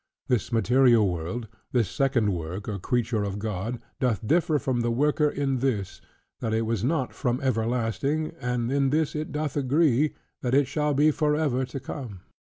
This material world, the second work or creature of God, doth differ from the worker in this, that it was not from everlasting, and in this it doth agree, that it shall be forever to come."